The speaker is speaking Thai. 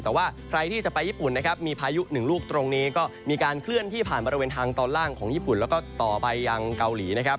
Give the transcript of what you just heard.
แต่ว่าใครที่จะไปญี่ปุ่นนะครับมีพายุหนึ่งลูกตรงนี้ก็มีการเคลื่อนที่ผ่านบริเวณทางตอนล่างของญี่ปุ่นแล้วก็ต่อไปยังเกาหลีนะครับ